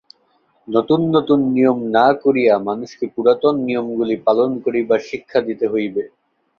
নূতন নূতন নিয়ম না করিয়া মানুষকে পুরাতন নিয়মগুলি পালন করিবার শিক্ষা দিতে হইবে।